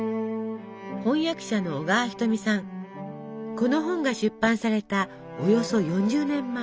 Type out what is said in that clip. この本が出版されたおよそ４０年前。